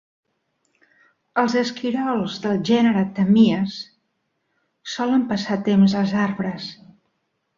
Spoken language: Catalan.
Els esquirols del gènere 'Tamias' solen passar temps als arbres.